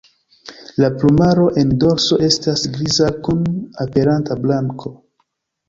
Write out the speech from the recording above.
La plumaro en dorso estas griza kun aperanta blanko.